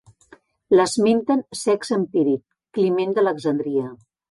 L'esmenten Sext Empíric, Climent d'Alexandria.